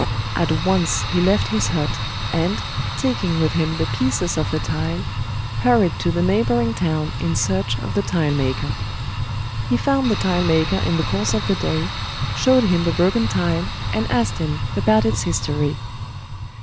At once he left his hut, and, taking with him the pieces of the tile, hurried to the neighboring town in search of the tilemaker. He found the tilemaker in the course of the day, showed him the broken tile, and asked him about its history.